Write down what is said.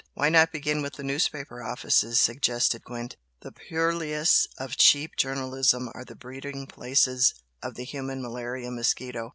"Why not begin with the newspaper offices?" suggested Gwent "The purlieus of cheap journalism are the breeding places of the human malaria mosquito."